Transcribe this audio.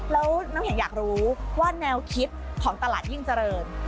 แล้วน้ำแข็งอยากรู้ว่าแนวคิดของตลาดยิ่งเจริญ